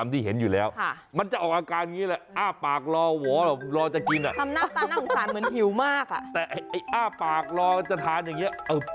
แต่ไอ้อ้าปากรอจะทานอย่างนี้